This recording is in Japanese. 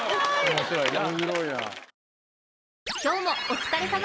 面白いなあ！